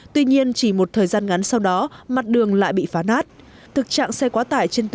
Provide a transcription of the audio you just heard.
tuy nhiên chỉ một thời gian ngắn sau đó mặt đường lại bị phá nát